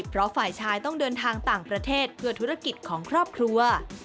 เพราะฝ่ายชายต้องเดินทางต่างประเทศเพื่อธุรกิจของครอบครัว